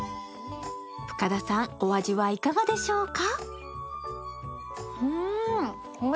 深田さん、お味はいかがでしょうか。